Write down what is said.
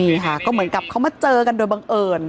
นี่ค่ะก็เหมือนกับเขามาเจอกันโดยบังเอิญ